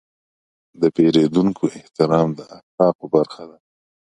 د پیرودونکو احترام د اخلاقو برخه ده.